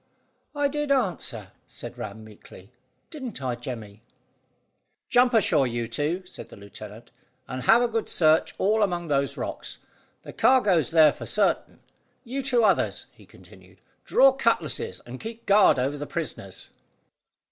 "I did answer," said Ram meekly. "Didn't I, Jemmy?" "Jump ashore, you two," said the lieutenant, "and have a good search all among those rocks. The cargo's there for certain. You two others," he continued, "draw cutlasses, and keep guard over the prisoners."